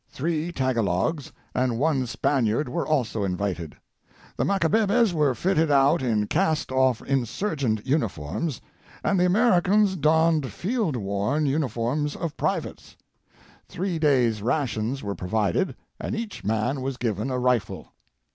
Three Taga logs and one Spaniard were also invited. The Macabebes were fitted out in cast off Insurgent uniforms, and the Americans donned field worn uniforms of privates. Three days' rations were provided, and each man was given a rifle.